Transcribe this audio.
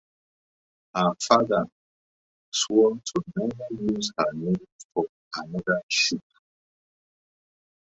Her father swore to never use her name for another ship.